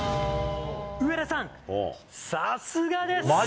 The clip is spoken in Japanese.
上田さん、さすがです！